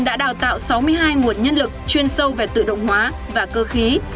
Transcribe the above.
đã đào tạo sáu mươi hai nguồn nhân lực chuyên sâu về tự động hóa và cơ khí